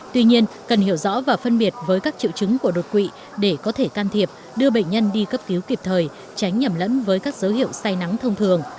tuy nhiên cần hiểu rõ và phân biệt với các triệu chứng của đột quỵ để có thể can thiệp đưa bệnh nhân đi cấp cứu kịp thời tránh nhầm lẫn với các dấu hiệu say nắng thông thường